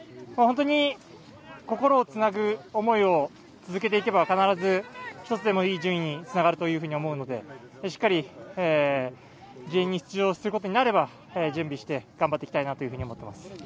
心をつなぐ思いをつなげていけば必ず、１つでもいい順位につながると思うのでしっかりリレーに出場することになれば準備して頑張っていきたいなと思っています。